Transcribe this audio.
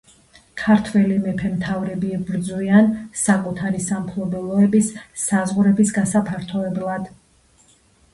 ქართველი მეფე-მთავრები იბრძვიან საკუთარი სამფლობელოების საზღვრების გასაფართოებლად.